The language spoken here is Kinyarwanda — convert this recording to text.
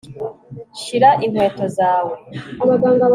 Shira inkweto zawe